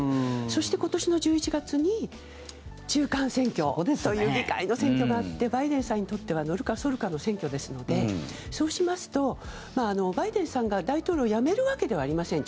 そして、今年の１１月に中間選挙という議会の選挙があってバイデンさんにとってはのるかそるかの選挙ですのでそうしますと、バイデンさんが大統領を辞めるわけではありません。